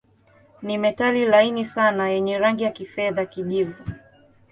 Ni metali laini sana yenye rangi ya kifedha-kijivu.